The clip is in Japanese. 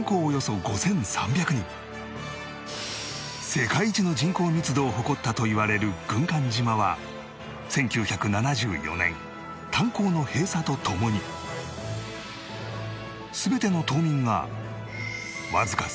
世界一の人口密度を誇ったといわれる軍艦島は１９７４年炭鉱の閉鎖とともに全ての島民がわずか３カ月で退去